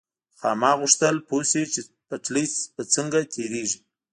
خاما غوښتل پوه شي چې پټلۍ به څنګه تېرېږي.